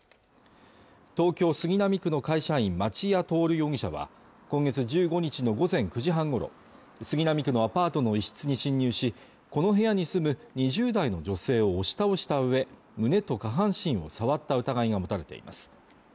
東京杉並区の会社員町屋亨容疑者は今月１５日の午前９時半ごろ杉並区のアパートの一室に侵入しこの部屋に住む２０代の女性を押し倒した上胸と下半身を触った疑いが持たれています